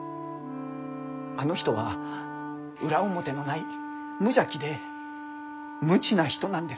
あの人は裏表のない無邪気で無知な人なんです。